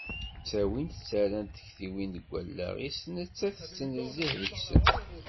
Ttawint ttarrant tektiwin deg tallaɣt-is netta-t tettnezzih deg-sent.